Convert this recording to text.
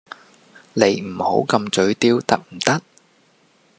你唔好咁嘴刁得唔得？